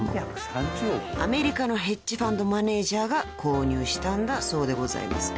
［アメリカのヘッジファンドマネジャーが購入したんだそうでございます］